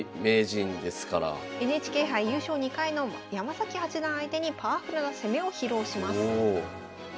ＮＨＫ杯優勝２回の山崎八段相手にパワフルな攻めを披露します。